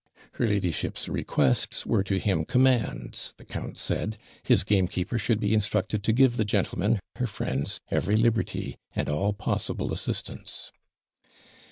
'Her ladyship's requests were to him commands,' the count said. 'His gamekeeper should be instructed to give the gentlemen, her friends, every liberty, and all possible assistance.'